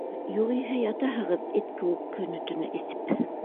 Юғиһә ятаһығыҙ эт кеүек көнө-төнө эсеп.